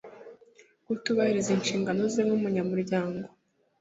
kutubahiriza inshingano ze nk'umunyamuryango